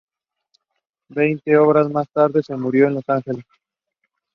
Veinte obras más tarde, se mudó a Los Ángeles.